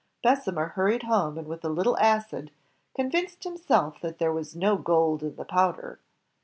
Bessemer hurried home and with a little acid convinced himself that there was no gold in the powder.